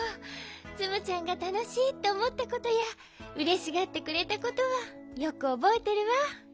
ツムちゃんがたのしいっておもったことやうれしがってくれたことはよくおぼえてるわ。